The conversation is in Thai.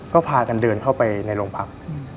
ก็พากันเดินเข้าไปในโรงพัก